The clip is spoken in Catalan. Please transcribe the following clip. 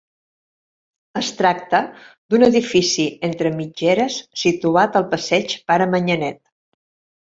Es tracta d'un edifici entre mitgeres, situat al Passeig Pare Manyanet.